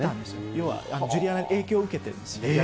要はジュリアナに影響を受けてるんです。